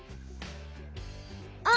あ！